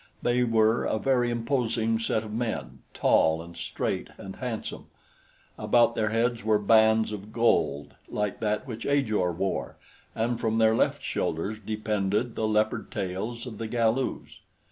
They were a very imposing set of men tall and straight and handsome. About their heads were bands of gold like that which Ajor wore, and from their left shoulders depended the leopard tails of the Galus.